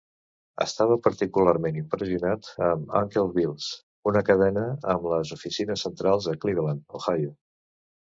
Estava particularment impressionat amb Uncle Bill's, una cadena amb les oficines centrals a Cleveland, Ohio.